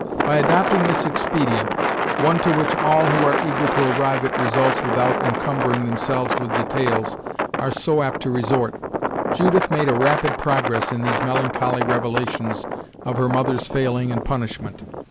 By adopting this expedient, one to which all who are eager to arrive at results without encumbering themselves with details are so apt to resort, Judith made a rapid progress in these melancholy revelations of her mother's failing and punishment.